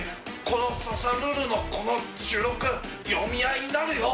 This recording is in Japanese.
この『刺さルール』のこの収録読み合いになるよ。